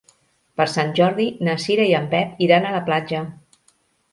Per Sant Jordi na Cira i en Pep iran a la platja.